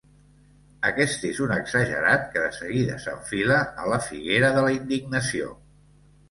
Aquest és un exagerat que de seguida s'enfila a la figuera de la indignació.